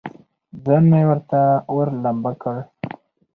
ځان مې ورته اور، لمبه کړ.